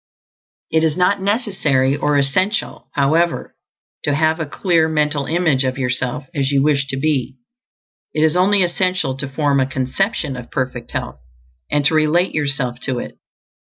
It is not necessary or essential, however, to have a clear mental image of yourself as you wish to be; it is only essential to form a CONCEPTION of perfect health, and to relate yourself to it.